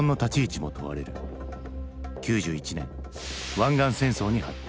９１年湾岸戦争に発展。